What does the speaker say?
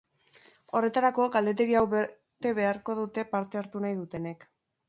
Horretarako, galdetegi hau bete beharko dute parte hartu nahi dutenek.